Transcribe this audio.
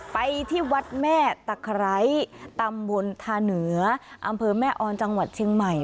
ไปที่วัดแม่ตะไคร้ตำบลทาเหนืออำเภอแม่ออนจังหวัดเชียงใหม่